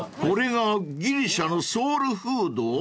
［これがギリシャのソウルフード？］